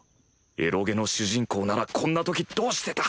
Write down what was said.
エロゲの主人公ならこんな時どうしてた！